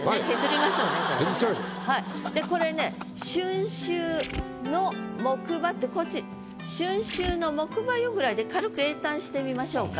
でこれね「春愁の木馬」ってこっち「春愁の木馬よ」ぐらいで軽く詠嘆してみましょうか。